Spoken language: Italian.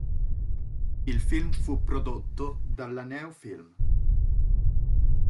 Il film fu prodotto dalla Néo-Film.